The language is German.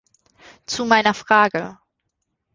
Zu meiner Frage.